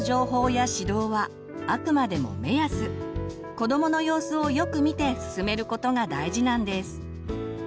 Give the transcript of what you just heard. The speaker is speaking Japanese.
子どもの様子をよく見て進めることが大事なんです。